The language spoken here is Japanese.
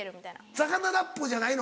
魚ラップじゃないの？